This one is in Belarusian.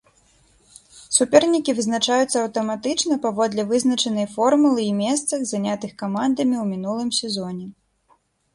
Супернікі вызначаюцца аўтаматычна паводле вызначанай формулы і месцах, занятых камандамі ў мінулым сезоне.